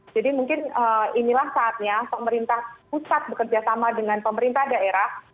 jadi mungkin inilah saatnya pemerintah pusat bekerja sama dengan pemerintah daerah